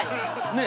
ねえ？